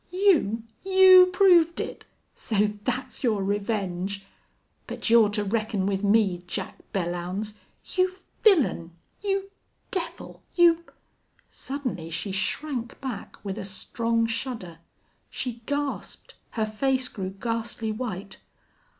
"You! You proved it? So that's your revenge?... But you're to reckon with me, Jack Belllounds! You villain! You devil! You " Suddenly she shrank back with a strong shudder. She gasped. Her face grew ghastly white.